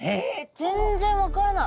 全然分からない。